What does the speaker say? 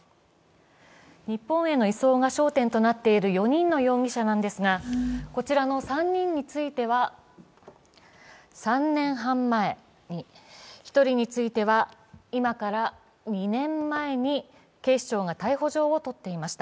日本への移送が焦点となっていますが、こちらの３人については３年半前に、１人については今から２年前に警視庁が逮捕状を取っていました。